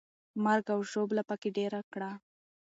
مرګ او ژوبله پکې ډېره کړه.